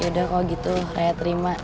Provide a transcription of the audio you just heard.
yaudah kalau gitu kayak terima